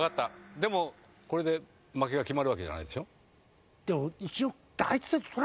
でもこれで負けが決まるわけじゃないでしょ？でも一応。